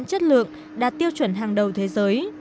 chất lượng đạt tiêu chuẩn hàng đầu thế giới